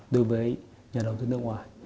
đối với nhà đầu tư nước ngoài